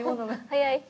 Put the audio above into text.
早い。